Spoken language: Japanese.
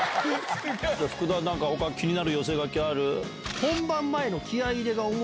福田他気になる寄せ書きある？